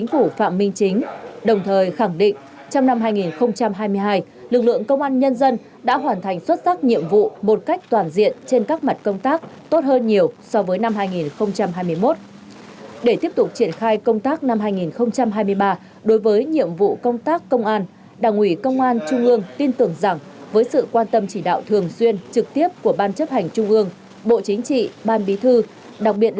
khẳng định lực lượng công an nhân dân đã hoàn thành xuất sắc nhiệm vụ được giao góp phần quan trọng giữ vững ổn định chính trị xã hội